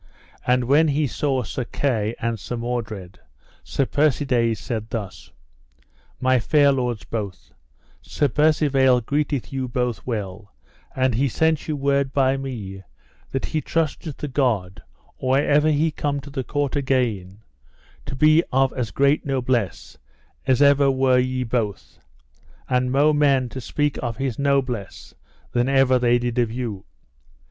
And when he saw Sir Kay and Sir Mordred, Sir Persides said thus: My fair lords both, Sir Percivale greeteth you well both, and he sent you word by me that he trusteth to God or ever he come to the court again to be of as great noblesse as ever were ye both, and mo men to speak of his noblesse than ever they did of you.